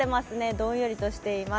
どんよりとしています。